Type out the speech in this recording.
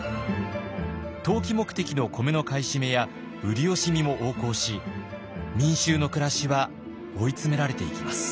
投機目的の米の買い占めや売り惜しみも横行し民衆の暮らしは追い詰められていきます。